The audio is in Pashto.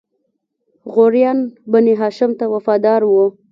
غوریان بنی هاشم ته وفادار وو.